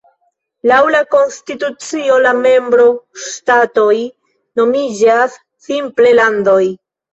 Laŭ la konstitucio la membro-ŝtatoj nomiĝas simple "landoj".